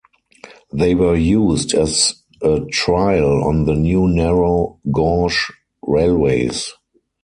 They were used as a trial on the new narrow gauge railways.